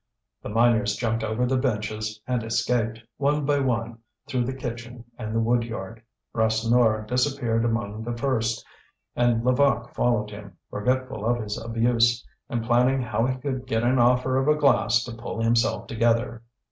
The miners jumped over the benches, and escaped, one by one, through the kitchen and the wood yard. Rasseneur disappeared among the first, and Levaque followed him, forgetful of his abuse, and planning how he could get an offer of a glass to pull himself together.